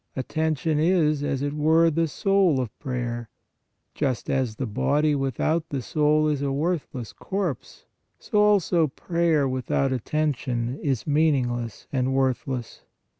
Attention is, as it were, the soul of prayer; just as the body without the soul is a worthless corpse, so also prayer with out attention is meaningless and worthless.